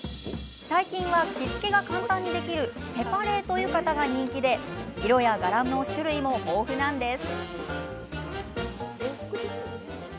最近は着付けが簡単にできるセパレート浴衣が人気で色や柄の種類も豊富なんです。